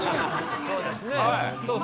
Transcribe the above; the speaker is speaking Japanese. そうですね。